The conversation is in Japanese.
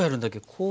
こう。